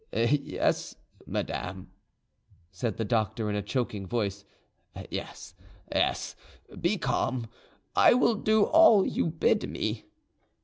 "Yes, madame," said the doctor in a choking voice; "yes, yes, be calm, and I will do all you bid me."